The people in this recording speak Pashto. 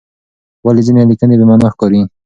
ولې ځینې لیکنې بې معنی ښکاري؟